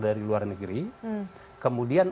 dari luar negeri kemudian